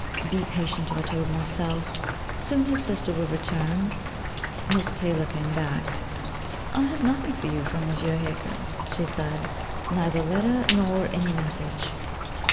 Be patient, I told myself: soon his sister will return. Miss Taylor came back: 'I have nothing for you from Monsieur Heger,' she said; 'neither letter, nor any message.'